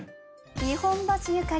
日本橋ゆかり